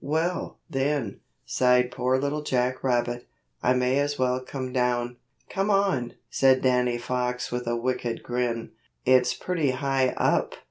"Well, then," sighed poor Little Jack Rabbit, "I may as well come down." "Come on," said Danny Fox with a wicked grin. "It's pretty high up.